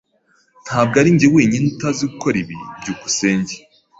Ntabwo arinjye wenyine utazi gukora ibi. byukusenge